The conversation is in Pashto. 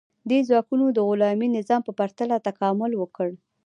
دې ځواکونو د غلامي نظام په پرتله تکامل وکړ.